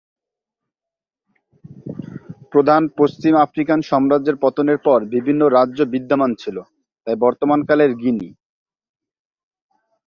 প্রধান পশ্চিম আফ্রিকান সাম্রাজ্যের পতনের পর, বিভিন্ন রাজ্য বিদ্যমান ছিল, তাই বর্তমানকালের গিনি।